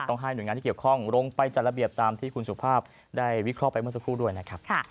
ให้หน่วยงานที่เกี่ยวข้องลงไปจัดระเบียบตามที่คุณสุภาพได้วิเคราะห์ไปเมื่อสักครู่ด้วยนะครับ